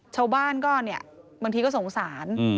ชาวบ้านก็เนี่ยบางทีก็สงสาร